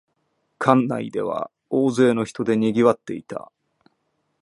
館内では大勢の人でにぎわっていた